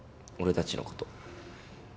俺たちのこと